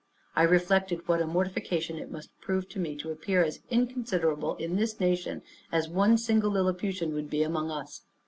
I reflected what a mortification it must prove to me to appear as inconsiderable in this nation, as one single Lilliputian would be among us.